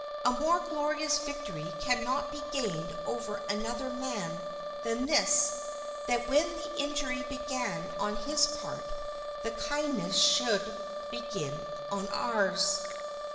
A more glorious victory can not be gained over another man than this, that when the injury began on his part the kindness should begin on ours.